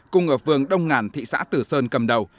cùng ở phường đông ngàn thị xã tử sơn cầm đầu